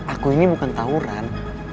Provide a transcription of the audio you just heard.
aku ini bukan tawuran